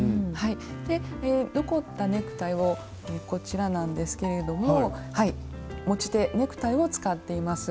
で残ったネクタイをこちらなんですけれども持ち手ネクタイを使っています。